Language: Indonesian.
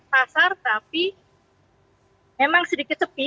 pasar tapi memang sedikit sepi